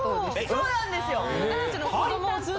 そうなんです。